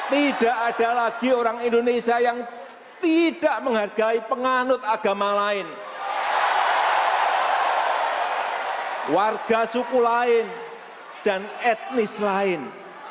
tidak ada lagi orang indonesia yang tidak menghargai penganut agama lain warga suku lain dan etnis lain